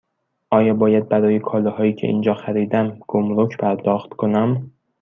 آیا باید برای کالاهایی که اینجا خریدم گمرگ پرداخت کنم؟